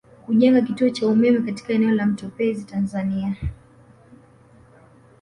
Kujenga kituo cha umeme katika eneo la Mtepwezi Tanzania